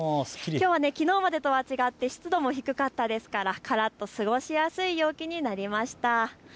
きょうはきのうまでと違って湿度も低かったのでからっと過ごしやすい陽気になりました。